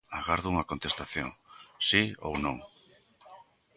Agardo unha contestación: si ou non.